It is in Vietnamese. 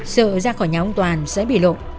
sợ ra khỏi nhà ông toàn sẽ bị lộ